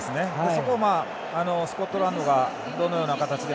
そこを、スコットランドがどのような形で。